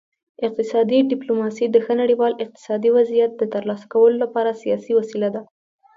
اقتصادي ډیپلوماسي د ښه نړیوال اقتصادي وضعیت د ترلاسه کولو لپاره سیاسي وسیله ده